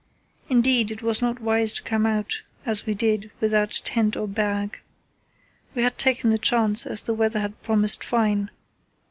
Indeed it was not wise to come out as we did without tent or bag. We had taken the chance, as the weather had promised fine.